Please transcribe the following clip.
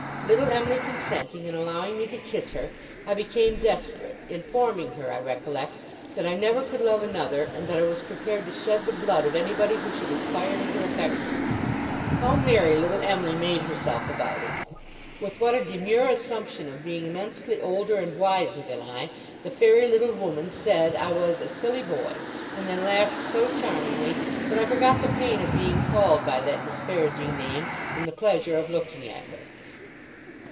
Little Em'ly consenting, and allowing me to kiss her, I became desperate; informing her, I recollect, that I never could love another, and that I was prepared to shed the blood of anybody who should aspire to her affections. How merry little Em'ly made herself about it! With what a demure assumption of being immensely older and wiser than I, the fairy little woman said I was 'a silly boy'; and then laughed so charmingly that I forgot the pain of being called by that disparaging name, in the pleasure of looking at her.